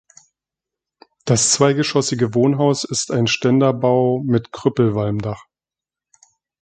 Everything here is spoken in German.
Das zweigeschossige Wohnhaus ist ein Ständerbau mit Krüppelwalmdach.